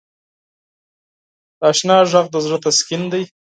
د اشنا ږغ د زړه تسکین دی.